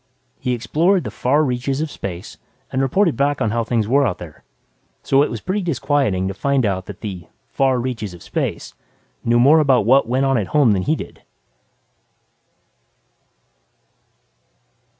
He explored the far reaches of space and reported back on how things were out there. So it was pretty disquieting to find out that the "far reaches of space" knew more about what went on at home than he did.